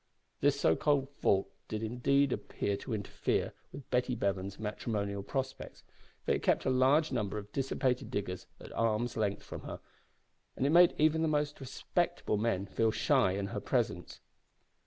This so called fault did indeed appear to interfere with Betty Bevan's matrimonial prospects, for it kept a large number of dissipated diggers at arm's length from her, and it made even the more respectable men feel shy in her presence.